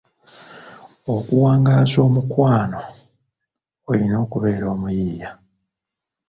Okuwangaaza omukwano olina okubeera omuyiiya.